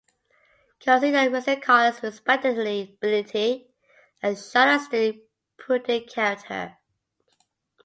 Consider Mr. Collins's respectability, and Charlotte's steady, prudent character.